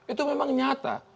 itu memang nyata